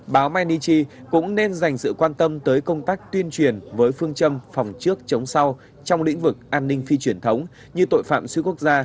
báo menichi cũng nên dành sự quan tâm tới công tác tuyên truyền với phương châm phòng trước chống sau trong lĩnh vực an ninh phi truyền thống như tội phạm xuyên quốc gia